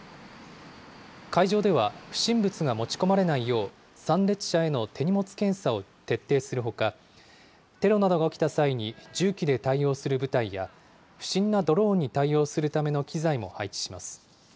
会場では、不審物が持ち込まれないよう、参列者への手荷物検査を徹底するほか、テロなどが起きた際に銃器で対応する部隊や、不審なドローンに対応するための機材も配置します。